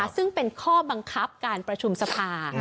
ซึ่งเป็นข้อบังคับการประชุมสภา